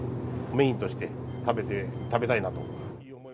メインとして食べたいなと。